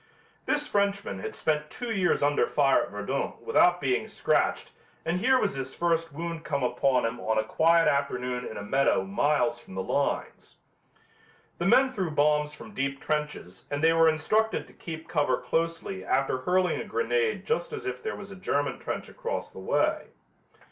This Frenchman had spent two years under fire at Verdun without being scratched and here was his first wound come upon him on a quiet afternoon in a meadow miles from the lines. The men threw bombs from deep trenches and they were instructed to keep cover closely after hurling a grenade just as if there was a German trench across the way.